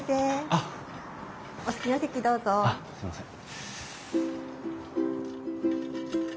あっすいません。